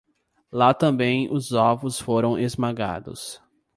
Lá também os ovos foram esmagados.